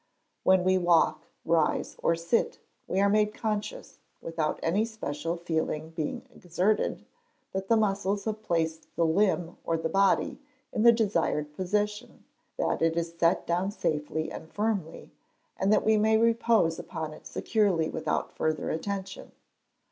When we walk, rise, or sit, we are made conscious, without any special feeling being exerted, that the muscles have placed the limb, or the body, in the desired position, that it is set down safely and firmly, and that we may repose upon it securely without further attention.